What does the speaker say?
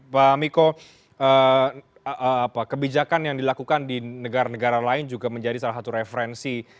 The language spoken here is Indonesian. pak miko kebijakan yang dilakukan di negara negara lain juga menjadi salah satu referensi